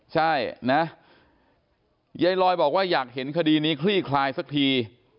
ใช่นะยายลอยบอกว่าอยากเห็นคดีนี้คลี่คลายสักที